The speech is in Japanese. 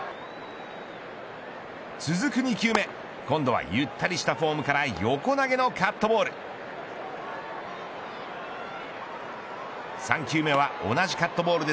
続く２球目今度はゆったりしたフォームから横投げのカットボール。